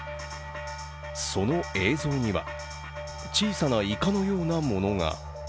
その映像には小さなイカのようなものが。